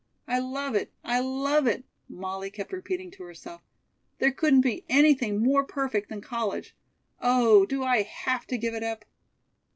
"I love it! I love it!" Molly kept repeating to herself. "There couldn't be anything more perfect than college. Oh, do I have to give it up?"